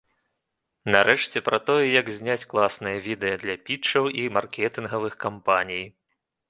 Нарэшце, пра тое, як зняць класнае відэа для пітчаў і маркетынгавых кампаній.